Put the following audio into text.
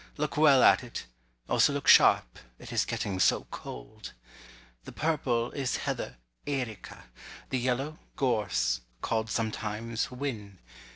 Look well at it—also look sharp, it Is getting so cold. The purple is heather (erica); The yellow, gorse—call'd sometimes "whin."